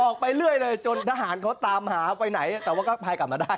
ออกไปเรื่อยเลยจนทหารเขาตามหาไปไหนแต่ว่าก็พายกลับมาได้